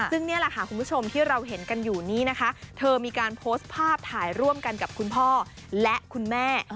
ซึ่งนี่แหละค่ะคุณผู้ชมที่เราเห็นกันอยู่นี้นะคะเธอมีการโพสต์ภาพถ่ายร่วมกันกับคุณพ่อและคุณแม่